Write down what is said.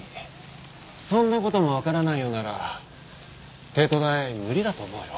そんな事もわからないようなら帝都大無理だと思うよ。